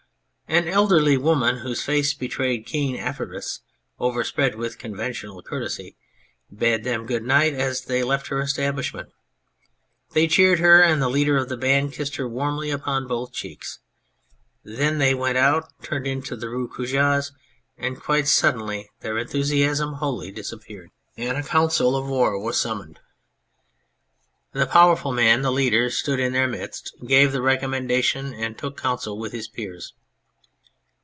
An elderly woman, whose face betrayed keen avarice overspread with conventional courtesy, bade them good night as they left her establishment. They cheered her, and the leader of the band kissed her warmly upon both cheeks. Then they went out, turned into the Rue Cujas, and quite suddenly their enthusiasm wholly disappeared, and a council of war 179 N 2 On Anything was summoned. The powerful man, the leader, stood in their midst, gave the recommendation and took counsel with his peers.